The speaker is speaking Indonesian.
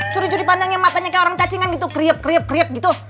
curi curi pandang yang matanya kayak orang cacingan gitu kriip kriip kriip gitu